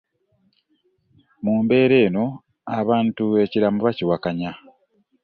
Mu mbeera eno, abantu ekiraamo bakiwakanya.